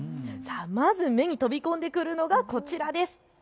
まず目に飛び込んでくるのはこちらです。